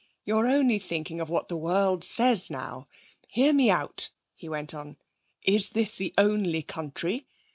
You're only thinking of what the world says, now. 'Hear me out,' he went on. 'Is this the only country?